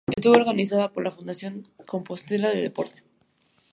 Estuvo organizada por la Fundación Compostela Deporte.